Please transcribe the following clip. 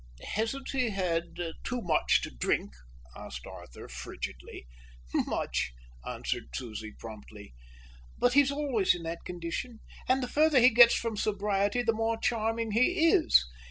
"Hasn't he had too much to drink?" asked Arthur frigidly. "Much," answered Susie promptly, "but he's always in that condition, and the further he gets from sobriety the more charming he is.